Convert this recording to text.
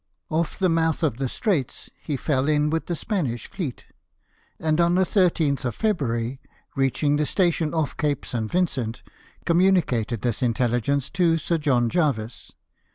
Off the 104 LIFE OF NLLSON. mouth of the Straits he fell in with the Spanish fleet; and on the 13th of February, reaching the station oft' Cape St. Vincent, communicated this in telligence to Sir John Jervis.